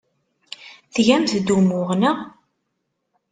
Tgamt-d umuɣ, naɣ?